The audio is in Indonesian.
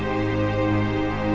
warga yang pesan